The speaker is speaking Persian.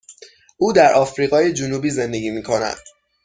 او در آفریقای جنوبی زندگی می کند.